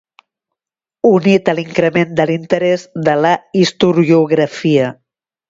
Unit a l'increment de l'interès de la historiografia.